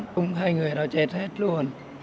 cũng hai người đã chết hết luôn